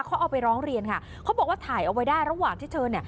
เขาเอาไปร้องเรียนค่ะเขาบอกว่าถ่ายเอาไว้ได้ระหว่างที่เธอเนี่ย